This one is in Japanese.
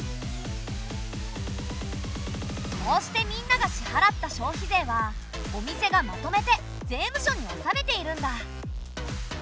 こうしてみんなが支払った消費税はお店がまとめて税務署に納めているんだ。